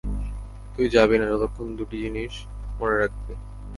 তুই যাবি না, যতক্ষণ দুটো জিনিস মনে রাখবি।